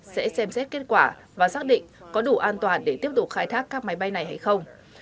sẽ xem xét kết quả và xác định có đủ an toàn để tiếp tục khai thác các máy bay này hay không